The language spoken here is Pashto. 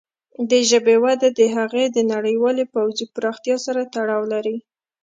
د ژبې وده د هغې د نړیوالې پوهې پراختیا سره تړاو لري.